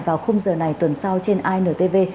vào khung giờ này tuần sau trên intv